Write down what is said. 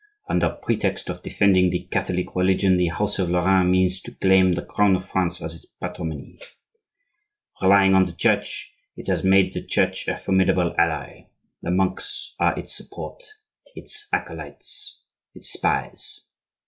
Under pretext of defending the Catholic religion, the house of Lorraine means to claim the crown of France as its patrimony. Relying on the Church, it has made the Church a formidable ally; the monks are its support, its acolytes, its spies.